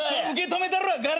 受け止めたるわ。